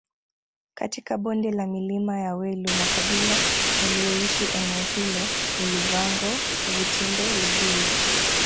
katika bonde la milima ya welu makabila yaliyoishi eneo hilo ni Luvango wutinde lugulu